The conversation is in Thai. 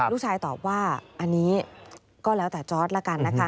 ลูกชายตอบว่าอันนี้ก็แล้วแต่จอร์ดละกันนะคะ